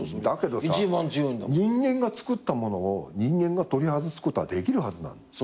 だけどさ人間が作ったものを人間が取り外すことはできるはずなの。